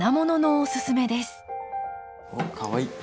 おっかわいい。